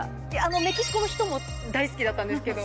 メキシコの人も大好きだったんですけど。